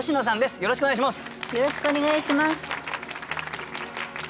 よろしくお願いします。